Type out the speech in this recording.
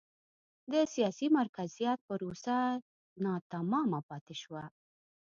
د سیاسي مرکزیت پروسه ناتمامه پاتې شوه.